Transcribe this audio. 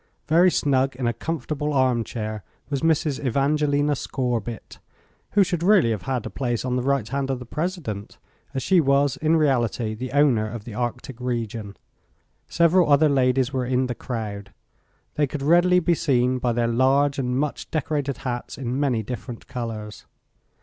Very snug in a comfortable armchair was Mrs. Evangelina Scorbitt, who should really have had a place on the right hand of the President, as she was in reality the owner of the Arctic region. Several other ladies were in the crowd. They could readily be seen by their large and much decorated hats in many different colors.